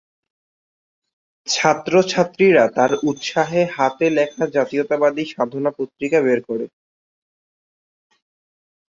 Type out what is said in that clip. ছাত্র ছাত্রীরা তার উৎসাহে হাতে লেখা জাতীয়তাবাদী 'সাধনা' পত্রিকা বের করে।